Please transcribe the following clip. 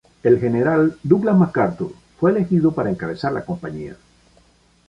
El general Douglas MacArthur fue elegido para encabezar la compañía.